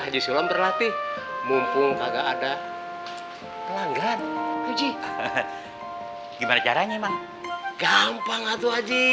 haji sulam berlatih mumpung agak ada pelanggan uji gimana caranya emang gampang atau haji